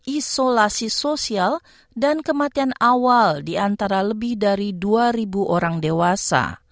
isolasi sosial dan kematian awal di antara lebih dari dua orang dewasa